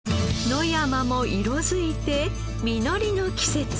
野山も色づいて実りの季節。